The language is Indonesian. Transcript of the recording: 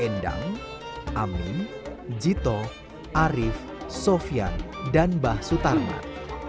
endang amin jito arief sofian dan mbah sutarman